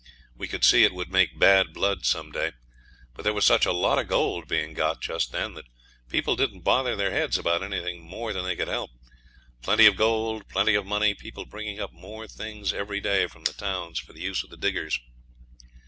We could see it would make bad blood some day; but there was such a lot of gold being got just then that people didn't bother their heads about anything more than they could help plenty of gold, plenty of money, people bringing up more things every day from the towns for the use of the diggers.